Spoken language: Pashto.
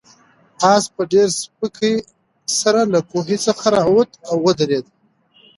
آس په ډېرې سپکۍ سره له کوهي څخه راووت او ودرېد.